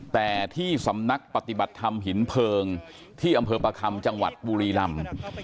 แต่ที่สำนักปฏิบัติธรรมหินเพลิงที่อำเภอประคำจังหวัดบุรีลำ